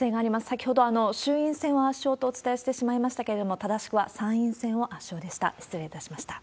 先ほど衆院選を圧勝とお伝えしてしまいましたけれども、正しくは参院選を圧勝でした。